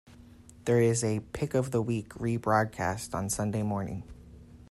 There is a "pick of the week" re-broadcast on Sunday morning.